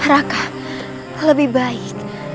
raka lebih baik